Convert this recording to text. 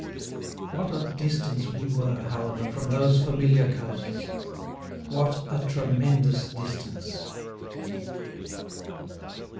What a distance we were, however, from those familiar coasts! What a tremendous distance!